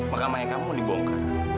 makam ayah kamu dibongkar